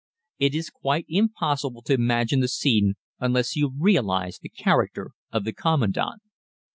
It is quite impossible to imagine the scene unless you realize the character of the Commandant.